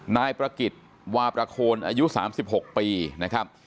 นายประกิจวาประโคนอายุ๓๖ปีนะครับ